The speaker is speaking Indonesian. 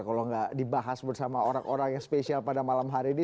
kalau nggak dibahas bersama orang orang yang spesial pada malam hari ini